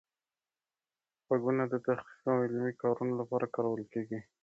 غږونه د تحقیق او علمي کارونو لپاره کارول کیږي.